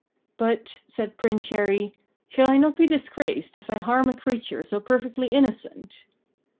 "But," said Prince Chéri, "shall I not be disgraced if I harm a creature so perfectly innocent?"